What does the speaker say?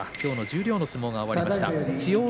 十両の相撲が終わりました。